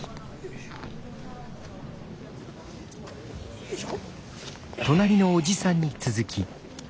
よいしょ。